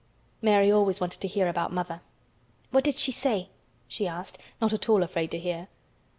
'" Mary always wanted to hear about mother. "What did she say?" she asked, not at all afraid to hear.